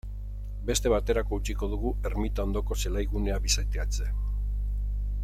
Beste baterako utziko dugu ermita ondoko zelaigunea bisitatzea.